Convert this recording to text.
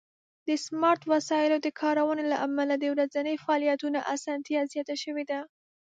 د سمارټ وسایلو د کارونې له امله د ورځني فعالیتونو آسانتیا زیاته شوې ده.